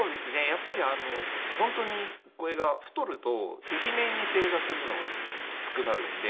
やっぱり本当にこれが太るとてきめんに正座するのがきつくなるんで。